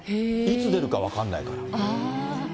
いつ出るか分からないから。